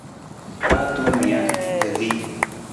Paa tong nija, ra li.